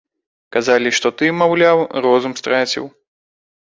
Казалі, што ты, маўляў, розум страціў.